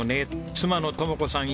妻の知子さん